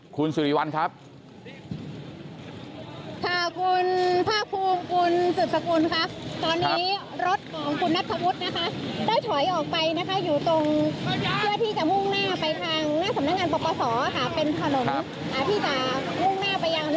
คุณภูริพัฒน์บุญนิน